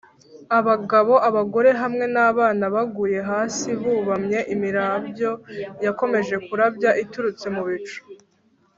abagabo, abagore hamwe n’abana, baguye hasi bubamye imirabyo yakomeje kurabya iturutse mu bicu